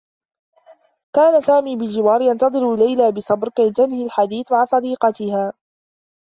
كان سامي بالجوار، ينتظر ليلى بصبر كي تنهي الحديث مع صديقاتها.